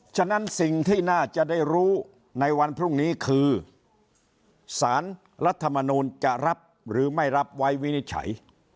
ฉะนั้นสิ่งที่น่าจะได้รู้ในวันพรุ่งนี้คือสารรัฐมนูลจะรับหรือไม่รับไว้วินิจฉัย